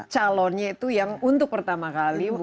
calonnya itu yang untuk pertama kali